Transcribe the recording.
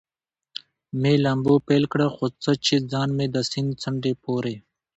مې لامبو پیل کړ، څو چې ځان مې د سیند څنډې پورې.